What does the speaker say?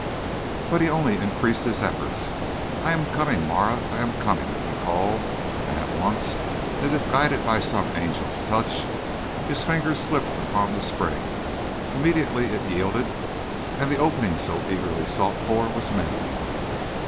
But he only increased his efforts. "I am coming, Marah; I am coming!" he called, and at once, as if guided by some angel's touch, his fingers slipped upon the spring. Immediately it yielded, and the opening so eagerly sought for was made.